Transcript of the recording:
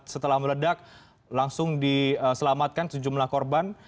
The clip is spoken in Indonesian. setelah meledak langsung diselamatkan sejumlah korban